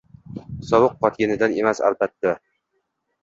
Sovuq qotganidan emas, albatta.